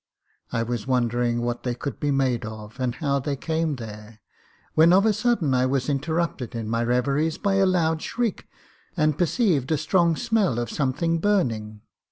I was wonder ing what they could be made of, and how they came there, when of a sudden I was interrupted in my reveries by a loud shriek, and perceived a strong smell of something burning.